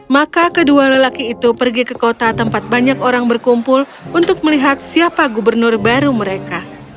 maka kedua lelaki itu pergi ke kota tempat banyak orang berkumpul untuk melihat siapa gubernur baru mereka